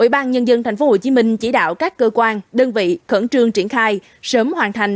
thành phố hồ chí minh chỉ đạo các cơ quan đơn vị khẩn trương triển khai sớm hoàn thành